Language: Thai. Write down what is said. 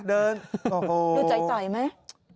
ดูใหญ่มั้ย